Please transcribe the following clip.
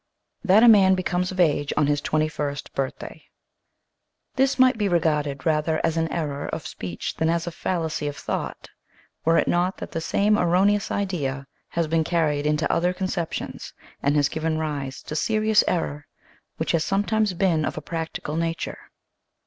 THAT A MAN BECOMES OF AGE ON HIS TWENTY FIRST BIRTHDAY HIS might be regarded rather as an error of speech than as a fallacy of thought were it not that the same erroneous idea has been carried into other conceptions and has given rise to serious error which has sometimes been of a practical nature.